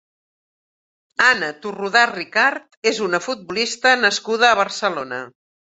Anna Torrodà Ricart és una futbolista nascuda a Barcelona.